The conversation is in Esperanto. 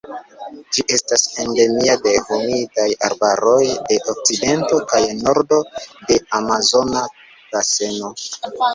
Ĝi estas endemia de humidaj arbaroj de okcidento kaj nordo de Amazona Baseno.